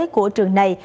của trường này